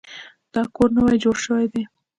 دا کور نوی جوړ شوی دی.